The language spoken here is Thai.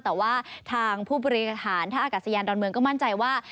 แต่ว่าทางผู้บริหารท่าอากาศยานดอนเมืองก็มั่นใจว่า